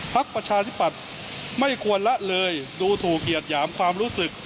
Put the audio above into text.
ภักดิ์ประชาธิบัติไม่ควรละเลยดูถูกเกียจหยามความรู้สึก